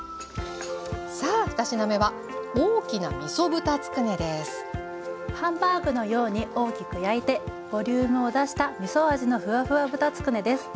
さあ２品目はハンバーグのように大きく焼いてボリュームを出したみそ味のふわふわ豚つくねです。